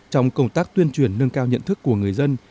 trong công tác tuyên truyền nâng cao nhận thức của người dân